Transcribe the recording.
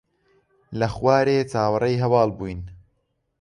لە خوارێ چاوەڕێی هەواڵ بووین.